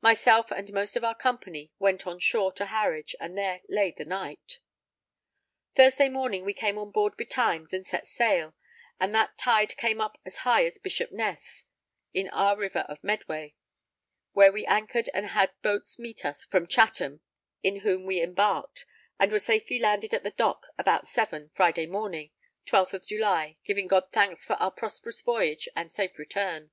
Myself and most of our company went on shore to Harwich and there lay that night. Thursday morning we came on board betimes and set sail, and that tide came up as high as Bishop Ness in our river of Medway, where we anchored and had boats meet us from Chatham, in whom we embarked, and were safely landed at the new dock about seven, Friday morning, 12th July, giving God thanks for our prosperous voyage and safe return.